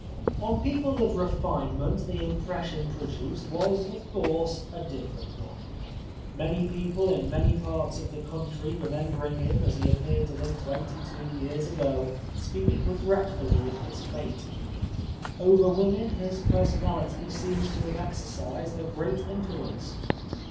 On people of refinement the impression pro duced was, of course, a different one. Many 251 The Life of Oscar Wilde people in many parts of the country remembering him as he appeared to them twenty two years ago speak regretfully of his fate. Over women his personality seems to have exercised a great influence.